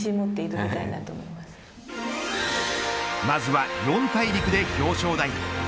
まずは四大陸で表彰台。